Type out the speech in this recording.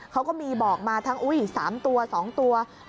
เขาก็มีบอกมาทั้ง๓ตัว๒ตัว